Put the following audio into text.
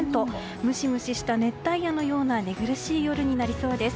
ムシムシした熱帯夜のような寝苦しい夜になりそうです。